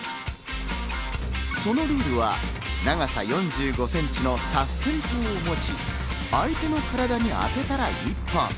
そのルールは、長さ４５ｃｍのＳＡＳＳＥＮ刀を持ち、相手の体に当てたら一本。